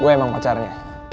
gue emang pacarnya